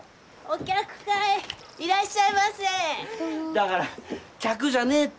だから客じゃねえって！